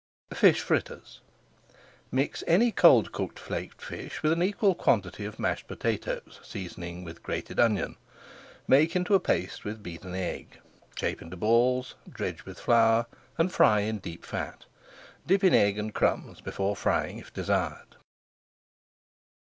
FISH FRITTERS Mix any cold cooked flaked fish with an equal quantity of mashed potatoes, seasoning with grated onion. Make into a paste with beaten egg, shape into balls, dredge with flour, and fry in deep fat. Dip in egg and crumbs before frying if desired.